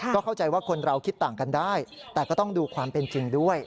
ก็เข้าใจว่าคนเราคิดต่างกันได้แต่ก็ต้องดูความเป็นจริงด้วย